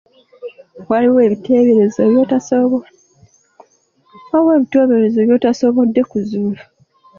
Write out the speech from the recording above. Waliwo ebiteeberezo by'otasobodde kuzuula?